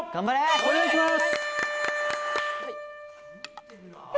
お願いします！